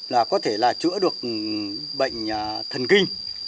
là có thể là chữa được bệnh thần kinh